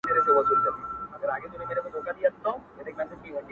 • په دربار كي جنرالانو بيعت وركړ,